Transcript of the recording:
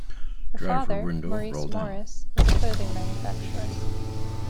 Her father, Maurice Morris, was a clothing manufacturer.